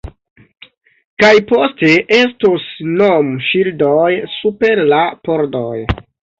Kaj poste estos nomŝildoj super la pordoj